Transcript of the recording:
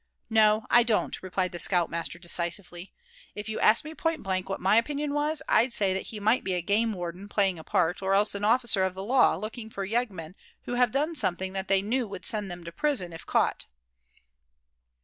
"No, I don't," replied the scout master, decisively. "If you asked me point blank what my opinion was, I'd say that he might be a game warden playing a part, or else an officer of the law, looking for yeggmen who have done something that they knew would send them to prison if caught!"